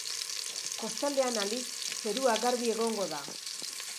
Kostaldean, aldiz, zerua garbi egongo da.